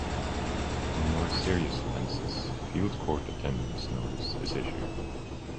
For more serious offences, a Field Court Attendance Notice is issued.